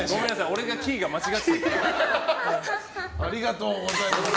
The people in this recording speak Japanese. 俺がキーが間違ってました。